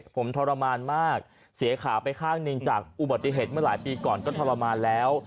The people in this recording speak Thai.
ผมทรมานมากเสียขาไปข้างหนึ่งจากอุบัติเหตุเมื่อหลายปีก่อนก็ทรมานแล้ว